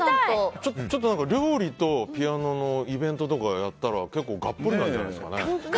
ちょっと料理とピアノのイベントとかやったら、結構ガッポリなんじゃないですかね。